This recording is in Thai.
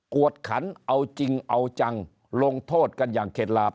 วดขันเอาจริงเอาจังลงโทษกันอย่างเข็ดหลาบ